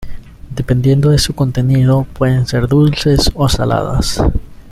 Dependiendo de su contenido pueden ser dulces o saladas.